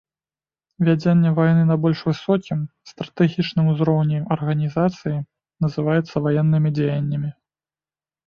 Вядзенне вайны на больш высокім, стратэгічным узроўні арганізацыі называецца ваеннымі дзеяннямі.